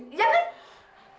sama aja asma menyulik